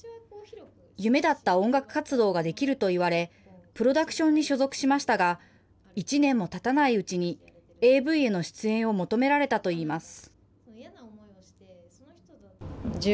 夢だった音楽活動ができると言われ、プロダクションに所属しましたが、１年もたたないうちにＡＶへの出演を求められたといいます。